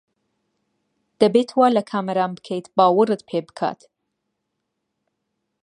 دەبێت وا لە کامەران بکەیت باوەڕت پێ بکات.